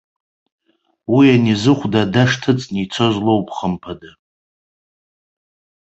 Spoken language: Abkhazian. Уи ани зыхәда адаш ҭыҵны ицоз лоуп, хымԥада.